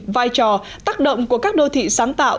vai trò tác động của các đô thị sáng tạo